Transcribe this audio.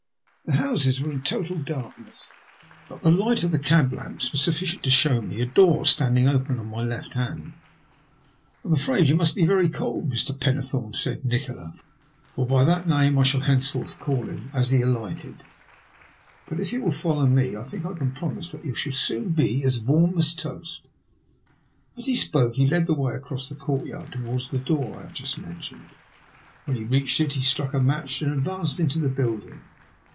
The houses were in total darkness, but the light of the cab lamps was sufficient to show me a door standing open on my left hand. " I'm afraid you must be very cold, Mr. Penne thome," said Nikola, for by that name I shall ENGLAND ONCE MOBE. 58 henceforth call him, as he alighted, but if you \?ill follow me I think I can promise that you shall soon be as warm as toast." As he spoke he led the way across the courtyard towards the door I have just mentioned. When he reached it he struck a match and advanced into the building.